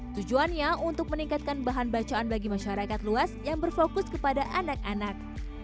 tujuannya untuk meningkatkan bahan bacaan bagi masyarakat luas yang berfokus kepada anak anak